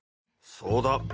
そうだ。